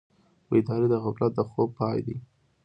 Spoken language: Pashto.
بیداري د غفلت د خوب پای دی.